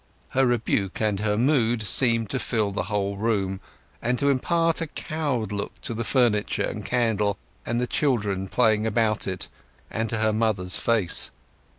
Her rebuke and her mood seemed to fill the whole room, and to impart a cowed look to the furniture, and candle, and children playing about, and to her mother's face.